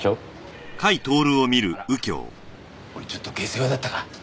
俺ちょっと下世話だったか？